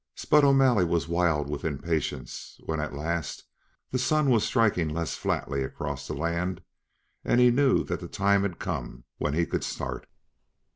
Spud O'Malley was wild with impatience when at last the Sun was striking less flatly across the land and he knew that the time had come when he could start.